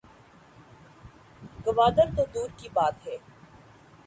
گوادر تو دور کی بات ہے